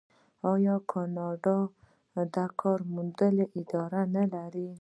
آیا کاناډا د کار موندنې ادارې نلري؟